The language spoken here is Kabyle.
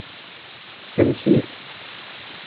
Tesens-it.